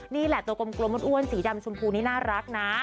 นี่แหละตัวกลมอ้วนสีดำชมพูนี่น่ารักนะ